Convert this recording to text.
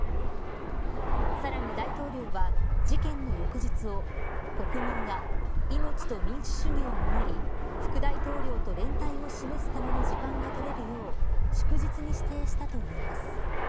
さらに大統領は事件の翌日を国民が命と民主主義を守り副大統領と連帯を示すための時間が取れるよう祝日に指定したといいます。